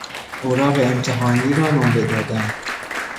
اوراق امتحانی را نمره دادن